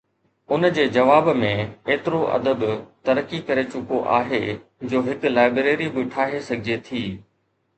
ان جي جواب ۾ ايترو ادب ترقي ڪري چڪو آهي جو هڪ لائبريري به ٺاهي سگهجي ٿي.